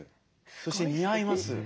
そして似合います。